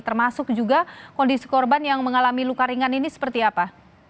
termasuk juga kondisi korban yang mengalami luka ringan ini seperti apa